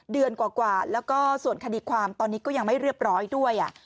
เดือนกว่าแล้วก็ส่วนคดีความตอนนี้ก็ยังไม่เรียบร้อยด้วย